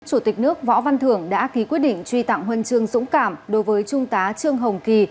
chủ tịch nước võ văn thưởng đã ký quyết định truy tặng huân chương dũng cảm đối với trung tá trương hồng kỳ